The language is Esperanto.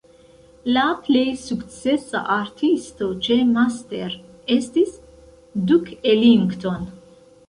La plej sukcesa artisto ĉe Master estis Duke Ellington.